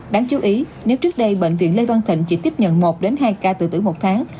đáng chú ý nếu trước đây bệnh viện lê văn thịnh chỉ tiếp nhận một hai ca từ tuổi một tháng